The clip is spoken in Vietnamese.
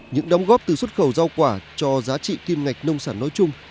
những đóng góp từ xuất khẩu rau quả cho giá trị kim ngạch nông sản nói chung